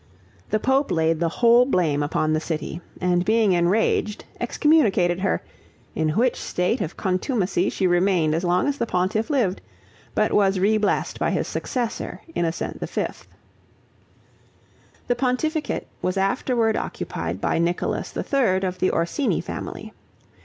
The pope laid the whole blame upon the city, and being enraged excommunicated her, in which state of contumacy she remained as long as the pontiff lived; but was reblessed by his successor Innocent V. The pontificate was afterward occupied by Nicholas III. of the Orsini family.